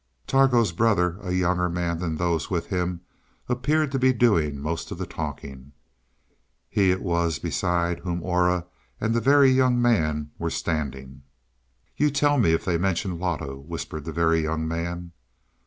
Targo's brother, a younger man than those with him, appeared to be doing most of the talking. He it was beside whom Aura and the Very Young Man were standing. "You tell me if they mention Loto," whispered the Very Young Man.